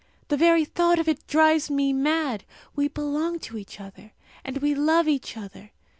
The very thought of it drives me mad. We belong to each other, and we love each other.